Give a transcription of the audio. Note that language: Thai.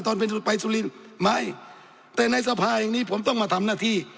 ไปสุรินทร์ไม่แต่ในสภาอย่างนี้ผมต้องมาทำหน้าที่